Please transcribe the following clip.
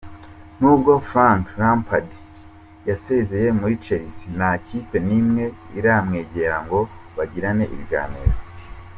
Nubwo Frank Lampard yasezeye muri Chelsea nta kipe n’ imwe iramwegera ngo bagirane ibiganiro.